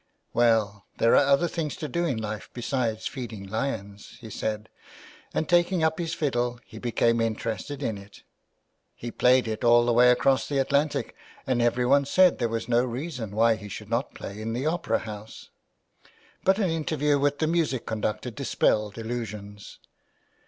'' Well, there are other things to do in life besides feeding lions," he said, and taking up his fiddle he became interested in it. He played it all the way across the Atlantic, and everyone said there was no reason why he should not play in the opera house. 301 THE WILD GOOSE. But an interview with the music conductor dispelled illusions.